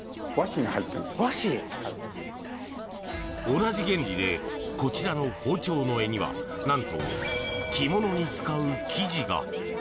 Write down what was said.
同じ原理でこちらの包丁の柄にはなんと着物に使う生地が。